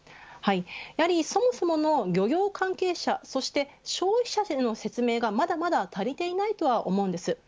そもそもの漁業関係者そして消費者への説明がまだまだ足りていないと思います。